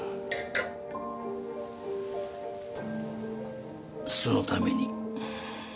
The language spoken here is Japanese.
そのために。